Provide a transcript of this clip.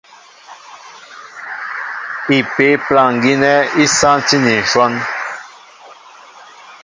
Ipě' plâŋ gínɛ́ í sántí ni ǹshɔ́n.